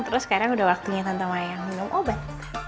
terus sekarang udah waktunya tante mayang minum obat